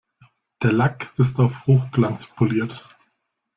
Der Lack ist auf Hochglanz poliert.